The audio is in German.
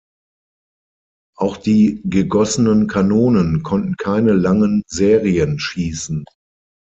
Auch die gegossenen Kanonen konnten keine langen Serien schießen.